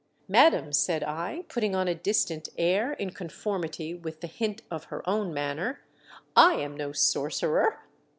"Madam," said I, putting on a distant air in conformity with the hint of her own manner, " I am no sorcerer.